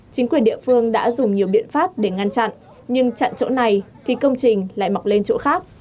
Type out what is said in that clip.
chính quyền địa phương đã dùng nhiều biện pháp để ngăn chặn nhưng chặn chỗ này thì công trình lại mọc lên chỗ khác